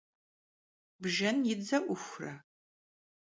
Bjjen yi dze 'Uxure?